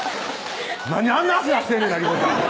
なにあんな脚出してんねんな理子ちゃん